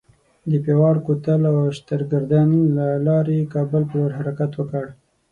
د پیواړ کوتل او شترګردن له لارې کابل پر لور حرکت وکړ.